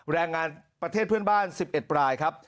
แรงงานประเทศเพื่อนบ้าน๑๑รายครับ